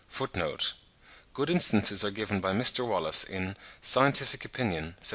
Good instances are given by Mr. Wallace in 'Scientific Opinion,' Sept.